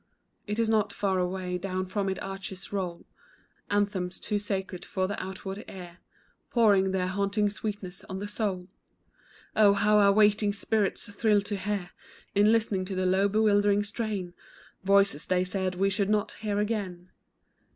It is not far away; down from its arches roll Anthems too sacred for the outward ear, Pouring their haunting sweetness on the soul; Oh, how our waiting spirits thrill to hear, In listening to the low bewildering strain, Voices they said we should not hear again.